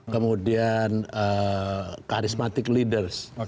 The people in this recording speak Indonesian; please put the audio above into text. kemudian karismatik leaders